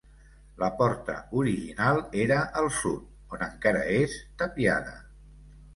La porta original era al sud, on encara és, tapiada.